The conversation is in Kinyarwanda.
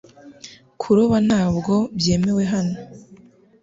Kuroba ntabwo byemewe hano .